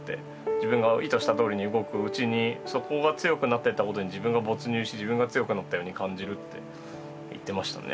自分が意図したとおりに動くうちにそこが強くなってったことに自分が没入し自分が強くなったように感じるって言ってましたね。